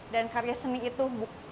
dan karya seni itu